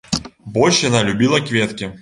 Больш яна любіла кветкі.